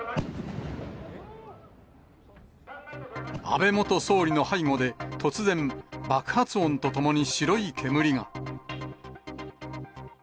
安倍元総理の背後で突然、爆発音とともに白い煙が。